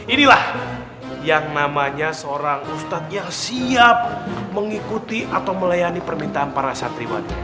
inilah yang namanya seorang ustadz yang siap mengikuti atau melayani permintaan para santriwati